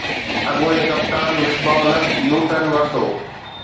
اڳوڻي ڪپتان مصباح الحق يوٽرن ورتو